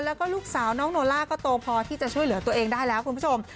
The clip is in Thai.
แล้วก็ลูกสาวน้องโนล่าก็โตพอที่จะช่วยเหลือตัวเองได้แล้วคุณผู้ชม